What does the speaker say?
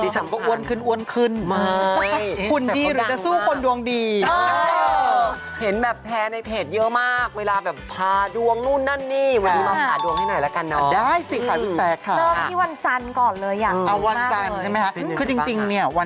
สวัสดีที่ใหม่ด้วยนะคะ